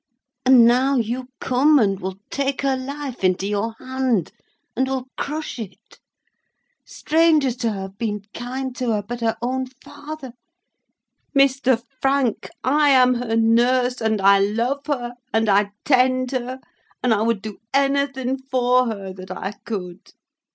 And now you, come and will take her life into your hand, and will crush it. Strangers to her have been kind to her; but her own father—Mr. Frank, I am her nurse, and I love her, and I tend her, and I would do anything for her that I could.